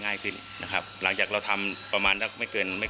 ง่ายขึ้นนะครับหลังจากเราทำประมาณสักไม่เกินไม่